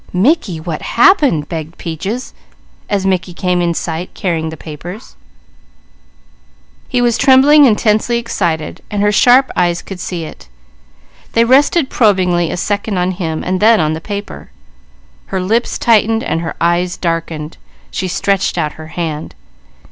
"Mickey, what happened?" begged Peaches as Mickey came in sight, carrying the papers. He was trembling and tensely excited as her sharp eyes could see. They rested probingly a second on him, then on the paper. Her lips tightened while her eyes darkened. She stretched out her hand.